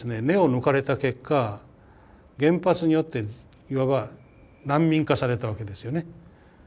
根を抜かれた結果原発によっていわば難民化されたわけですよね。